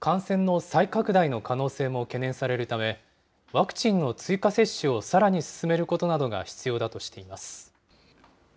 感染の再拡大の可能性も懸念されるため、ワクチンの追加接種をさらに進めることなどが必要だとしています。